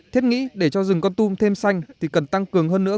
thiết nghĩ để cho rừng con tum thêm xanh thì cần tăng cường hơn nữa